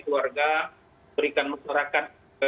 keluarga berikan masyarakat